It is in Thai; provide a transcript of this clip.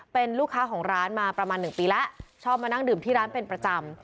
เป็นลูกค้าของร้านมาประมาณหนึ่งปีแล้วชอบมานั่งดื่มที่ร้านเป็นประจำ